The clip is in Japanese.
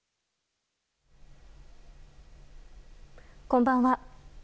こんばんは。